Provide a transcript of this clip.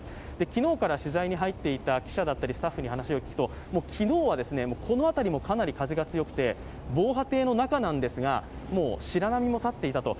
昨日から、取材に入っていた記者やスタッフに話を聞くと昨日は、この辺りもかなり風が強くて防波堤の中なんですが、白波も立っていたと。